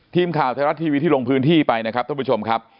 ทีมข่าวไทยรัฐทีวีที่ลงพื้นที่ไปนะครับท่านผู้ชมครับ